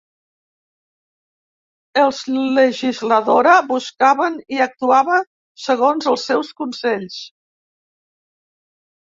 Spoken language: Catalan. Els legisladora buscaven i actuava segons el seus consells.